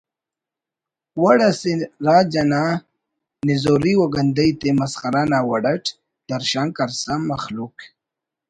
و ڑاسے راج انا نزوری و گندئی تے مسخرہ نا وڑ اٹ درشان کرسا مخلوق